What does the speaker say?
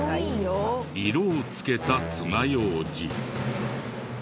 色をつけたつまようじ。